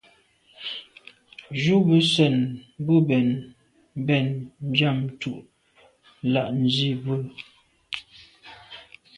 Njù be sène bo bèn mbèn njam ntùm la’ nzi bwe.